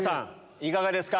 いかがですか？